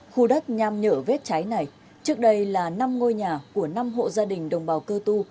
khu đất nham nhở vết trái này trước đây là năm ngôi nhà của năm hộ gia đình đồng bào cơ tu